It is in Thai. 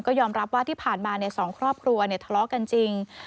ก็ยอมรับว่าที่ผ่านมาสองครอบครัวทะเลาะกันจริง